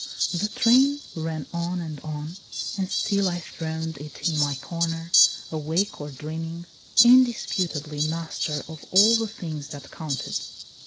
The train ran on and on, and still I throned it in my corner, awake or dream ing, indisputably master of all the things that counted.